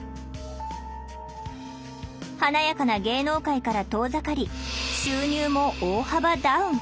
華やかな芸能界から遠ざかり収入も大幅ダウン。